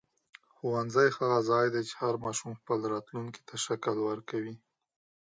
ښوونځی د هغه ځای دی چې هر ماشوم خپل راتلونکی شکل ورکوي.